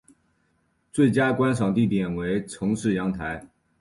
最佳观赏地点为城市阳台。